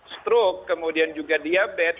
stroke kemudian juga diabetes